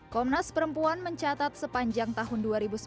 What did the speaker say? komnas perempuan mencatat sepanjang tahun dua ribu sembilan belas